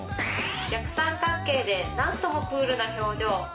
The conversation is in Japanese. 逆三角形で何ともクールな表情